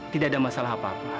tidak ada masalah apa apa